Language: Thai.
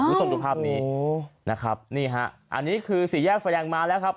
คุณผู้สมจุภาพนี้นะครับนี่ค่ะอันนี้คือศรีแยกแฟนลายังมาแล้วครับ